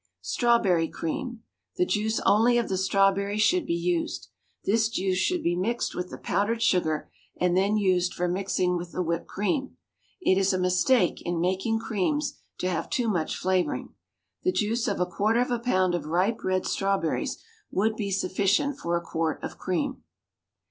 STRAWBERRY CREAM. The juice only of the strawberry should be used. This juice should be mixed with the powdered sugar and then used for mixing with the whipped cream. It is a mistake, in making creams, to have too much flavouring. The juice of a quarter of a pound of ripe red strawberries would be sufficient for a quart of cream.